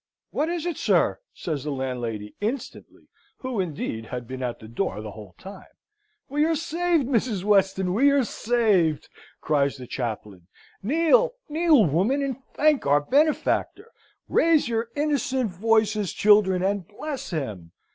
"What is it, sir?" says the landlady, instantly, who, indeed, had been at the door the whole time. "We are saved, Mrs. Weston! We are saved!" cries the chaplain. "Kneel, kneel, woman, and thank our benefactor! Raise your innocent voices, children, and bless him!"